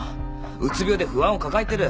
うつ病で不安を抱えてる。